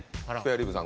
・リブさん